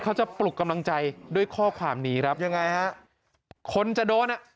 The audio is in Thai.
จะปลุกกำลังใจด้วยข้อความนี้ครับยังไงฮะคนจะโดนอ่ะ